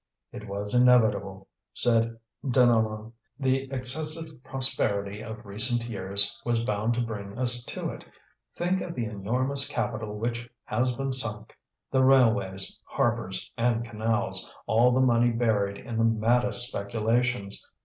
"It was inevitable," said Deneulin, "the excessive prosperity of recent years was bound to bring us to it. Think of the enormous capital which has been sunk, the railways, harbours, and canals, all the money buried in the maddest speculations.